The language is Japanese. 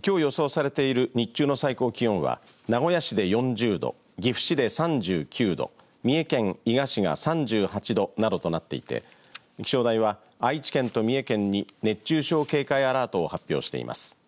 きょう予想されている日中の最高気温は名古屋市で４０度岐阜市で３９度三重県伊賀市が３８度などとなっていて気象台は愛知県と三重県に熱中症警戒アラートを発表しています。